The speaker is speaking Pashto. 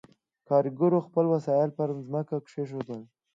کارګرو خپل وسایل پر ځمکه کېښودل.